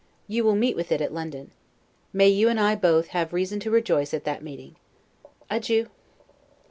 You will meet with it at London. May you and I both have reason to rejoice at that meeting! Adieu.